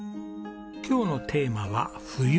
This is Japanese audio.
今日のテーマは冬。